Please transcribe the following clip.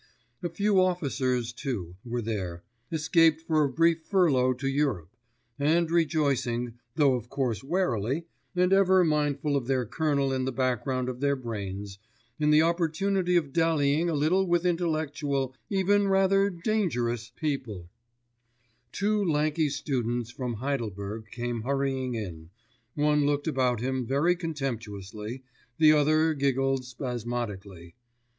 A few officers, too, were there, escaped for a brief furlough to Europe, and rejoicing though of course warily, and ever mindful of their colonel in the background of their brains in the opportunity of dallying a little with intellectual even rather dangerous people; two lanky students from Heidelberg came hurrying in, one looked about him very contemptuously, the other giggled spasmodically